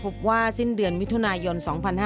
พบว่าสิ้นเดือนมิถุนายน๒๕๕๙